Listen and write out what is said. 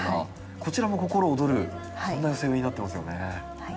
こちらも心躍るそんな寄せ植えになってますよね。